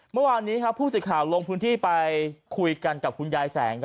เมื่อวานนี้ผู้สื่อข่าวลงพื้นที่ไปคุยกันกับคุณยายแสง